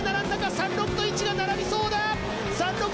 ３６と１が並びそうだ。